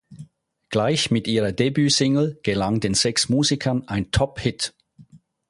Gleich mit ihrer Debütsingle gelang den sechs Musikern ein Top-Hit.